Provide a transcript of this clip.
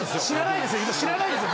知らないですよ